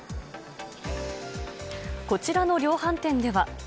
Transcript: こちらの量販店では。